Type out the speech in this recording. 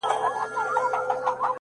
• چرمګرته چي یې هرڅومره ویله ,